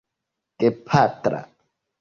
gepatra